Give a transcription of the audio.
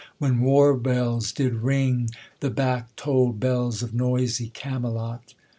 When war bells did ring, The back toll'd bells of noisy Camelot.